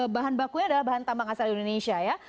bahan bakunya adalah bahan tambang asal indonesia ya